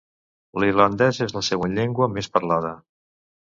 L'irlandès és la següent llengua més parlada.